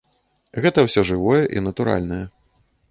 Гэта ўсё жывое і натуральнае.